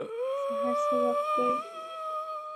سهار څه وخت دی؟